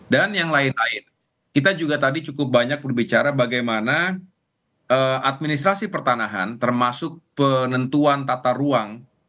dan yang lain lain kita juga tadi cukup banyak berbicara bagaimana administrasi pertanahan termasuk penentuan tata ruang ini seharusnya